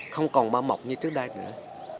không còn ba mọc như trước đây nữa